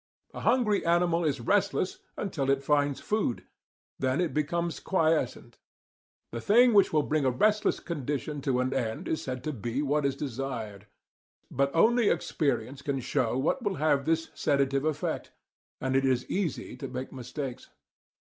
A hungry animal is restless until it finds food; then it becomes quiescent. The thing which will bring a restless condition to an end is said to be what is desired. But only experience can show what will have this sedative effect, and it is easy to make mistakes.